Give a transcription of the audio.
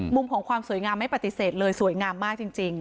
มุมของความสวยงามไม่ปฏิเสธเลยสวยงามมากจริง